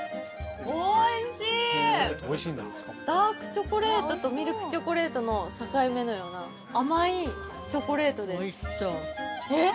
おいしいダークチョコレートとミルクチョコレートの境目のような甘いチョコレートですえっ？